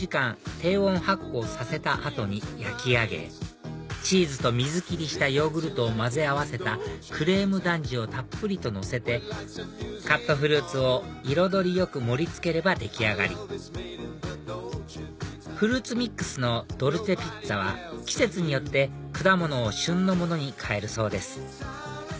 低温発酵させた後に焼き上げチーズと水切りしたヨーグルトを混ぜ合わせたクレームダンジュをたっぷりとのせてカットフルーツを彩りよく盛り付ければ出来上がりフルーツミックスのドルチェピッツァは季節によって果物を旬のものに替えるそうです